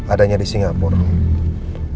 adanya di singapura